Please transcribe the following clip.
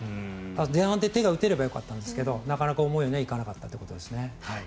前半で手が打てればよかったんですがなかなか思うようにいかなかったということですね。